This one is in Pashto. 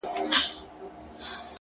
o خو زه بيا داسي نه يم ـ